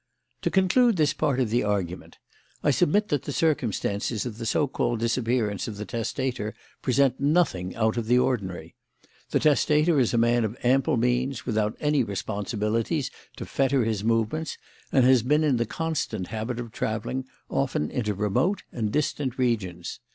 "To conclude this part of the argument: I submit that the circumstances of the so called disappearance of the testator present nothing out of the ordinary. The testator is a man of ample means, without any responsibilities to fetter his movements and has been in the constant habit of travelling, often into remote and distant regions.